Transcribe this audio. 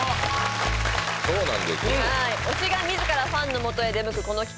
そうなんですよ推しが自らファンのもとへ出向くこの企画